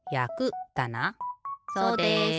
そうです。